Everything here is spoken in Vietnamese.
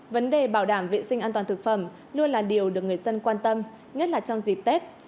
vấn đề bảo đảm vệ sinh an toàn thực phẩm luôn là điều được người dân quan tâm nhất là trong dịp tết